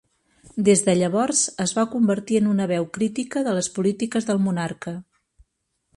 Des de llavors es va convertir en una veu crítica de les polítiques del monarca.